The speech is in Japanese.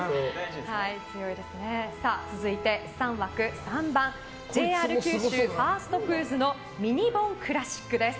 続いて３枠３番ＪＲ九州ファーストフーズのミニボンクラシックです。